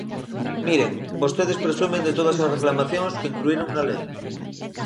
Miren, vostedes presumen de todas as reclamacións que incluíron na lei.